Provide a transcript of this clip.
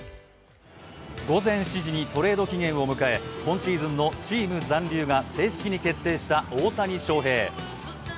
午前７時にトレード期限を迎え今シーズンのチーム残留が正式に決定した大谷翔平。